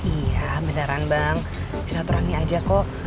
iya beneran bang silaturahmi aja kok